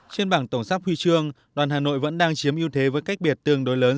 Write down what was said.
trên bảng tổng sắp huy chương đoàn hà nội vẫn đang chiếm ưu thế với cách biệt tương đối lớn